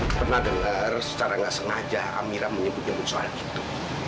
saya pernah dengar secara nggak sengaja amira menyebut nyebut soal itu